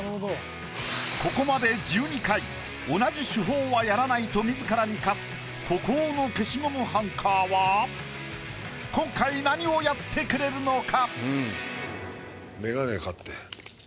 ここまで１２回と自らに課す孤高の消しゴムハンカーは今回何をやってくれるのか？